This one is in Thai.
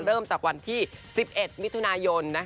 เริ่มจากวันที่๑๑มิถุนายน